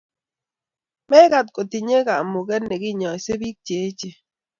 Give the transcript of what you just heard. mekat kutinyei kamuket ne konyisie biik che echen